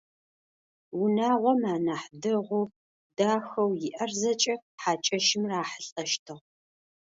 Унагъом анахь дэгъоу, дахэу иӏэр зэкӏэ хьакӏэщым рахьылӏэщтыгъ.